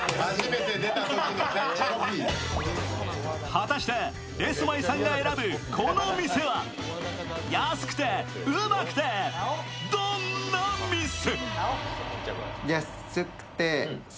果たしてレスマイさんが選ぶ、この店は安くてウマくて、どんな店？